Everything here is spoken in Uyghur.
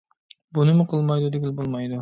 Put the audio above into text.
بۇنىمۇ قىلمايدۇ دېگىلى بولمايدۇ.